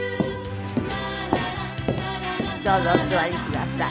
どうぞお座りください。